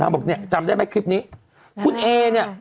นางบอกโอ้จำได้ไหมคลิปนี้